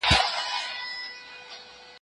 زه ليکنه نه کوم!.